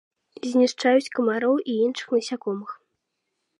Знішчаюць камароў і іншых насякомых.